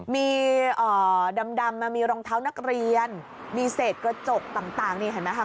มีดำมีรองเท้านักเรียนมีเศษกระจกต่างนี่เห็นไหมคะ